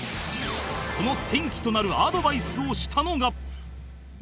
その転機となるアドバイスをしたのが